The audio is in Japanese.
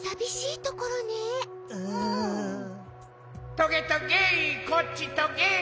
・トゲトゲこっちトゲ。